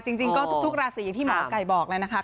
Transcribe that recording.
ใช่จริงก็ทุกลาศีที่หมอไก่บอกเลยนะคะ